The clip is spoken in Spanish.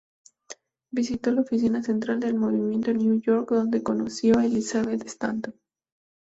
Visitó la oficina central del movimiento en Nueva York, donde conoció a Elizabeth Stanton.